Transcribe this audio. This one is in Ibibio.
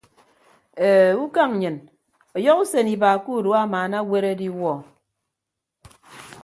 E ukañ nnyịn ọyọhọ usen iba ke urua amaana aweere adiwuọ.